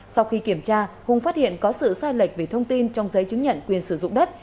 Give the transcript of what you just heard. sau khi kiểm tra hùng phát hiện có sự sai lệch về thông tin trong giấy chứng nhận quyền sử dụng đất